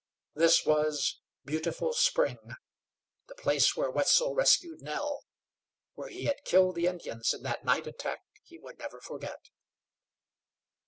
This was Beautiful Spring, the place where Wetzel rescued Nell, where he had killed the Indians in that night attack he would never forget.